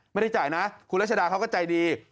ไม่ได้จ่ายนะคุณรัชดาเขาก็ใจดี